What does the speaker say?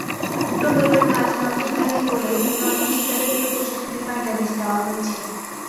প্রকল্পের কাজ নয়টি ভাগে করে নয়টি ঠিকাদারি প্রতিষ্ঠানকে কার্যাদেশ দেওয়া হয়েছে।